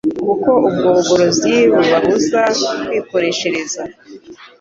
kuko ubwo bugorozi bubabuza kwikoreshereza